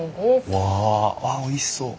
わっおいしそう。